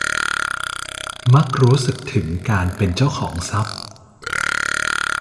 มักรู้สึกถึงการเป็นเจ้าของทรัพย์